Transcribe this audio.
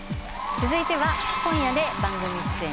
続いては今夜で番組出演